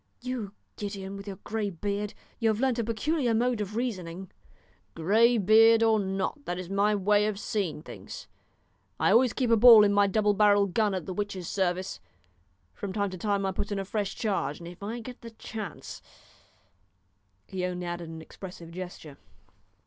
"You, Gideon, with your grey beard, you have learnt a peculiar mode of reasoning." "Grey beard or not, that is my way of seeing things. I always keep a ball in my double barrelled gun at the witch's service; from time to time I put in a fresh charge, and if I get the chance " He only added an expressive gesture.